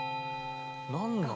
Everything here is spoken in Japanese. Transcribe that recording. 何なの？